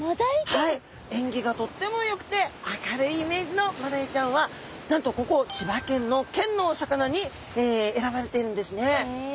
縁起がとってもよくて明るいイメージのマダイちゃんはなんとここ千葉県の県のお魚に選ばれているんですね。